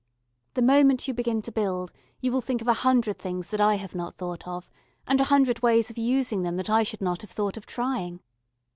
The moment you begin to build you will think of a hundred things that I have not thought of, and a hundred ways of using them that I should not have thought of trying.